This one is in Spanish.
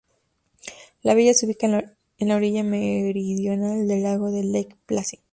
La villa se ubica en la orilla meridional del lago de Lake Placid.